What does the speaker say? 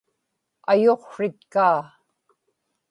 ayuqsritkaa